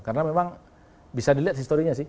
karena memang bisa dilihat sih story nya sih